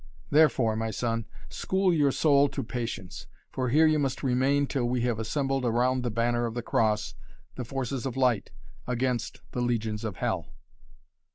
Therefore, my son, school your soul to patience, for here you must remain till we have assembled around the banner of the Cross the forces of Light against the legions of Hell."